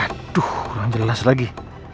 aduh kurang jelas lagi